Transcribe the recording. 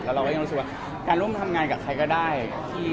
เราก็ยังรู้สึกว่าการร่วมทำงานกับใครก็ได้